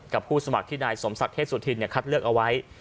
กับผู้สมัครที่นายสมศักดิ์เทศสุทินคัดเลือกออก